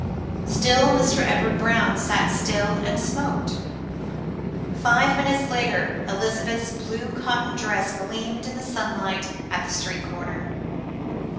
Still Mr. Edward Brown sat still and smoked. Five minutes later Elizabeth's blue cotton dress gleamed in the sunlight at the street corner.